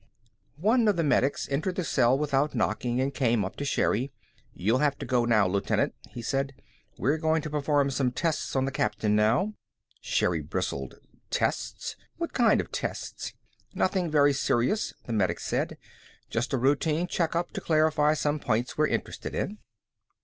One of the medics entered the cell without knocking and came up to Sherri. "You'll have to go now, Lieutenant," he said. "We're going to perform some tests on the captain now." Sherri bristled. "Tests? What kind of tests?" "Nothing very serious," the medic said. "Just a routine checkup to clarify some points we're interested in."